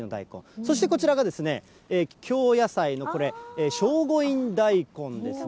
そしてこちらが、京野菜のこれ、聖護院大根ですね。